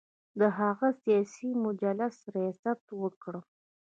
د هغه سیاسي مجلس ریاست وکړم.